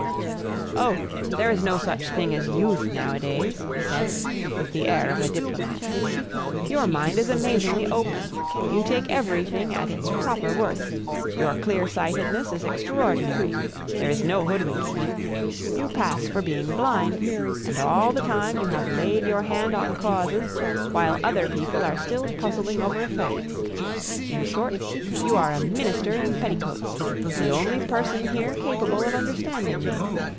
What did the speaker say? "Oh! there is no such thing as youth nowadays," he said, with the air of a diplomat. "Your mind is amazingly open. You take everything at its proper worth; your clear sightedness is extraordinary, there is no hoodwinking you. You pass for being blind, and all the time you have laid your hand on causes, while other people are still puzzling over effects. In short, you are a minister in petticoats, the only person here capable of understanding me.